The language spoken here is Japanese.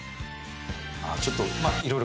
あちょっとまあ。